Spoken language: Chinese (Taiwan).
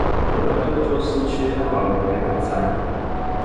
我剛剛就是去漢堡王買晚餐